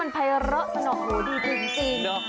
มันไฟเหอะสนองหัวดีจริง